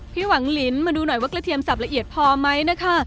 พี่หวังลินมาดูหน่อยว่ากระเทียมสับละเอียดพอไหมนะคะ